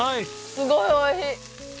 すごい美味しい！